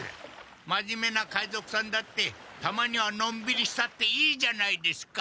まじめな海賊さんだってたまにはのんびりしたっていいじゃないですか。